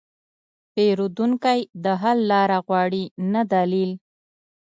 پیرودونکی د حل لاره غواړي، نه دلیل.